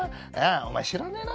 お前知らねえな？